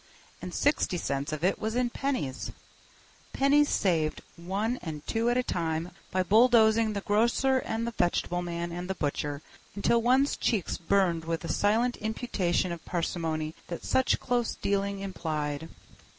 And sixty cents of it was in pennies. Pennies saved one and two at a time by bulldozing the grocer and the vegetable man and the butcher until one's cheeks burned with the silent imputation of parsimony that such close dealing implied.